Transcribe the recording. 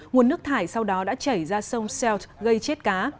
nguồn nước thải sau đó đã chảy ra sông sealt gây chết cá